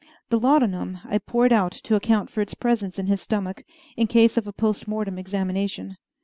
The laudanum I poured out to account for its presence in his stomach, in case of a post mortem examination.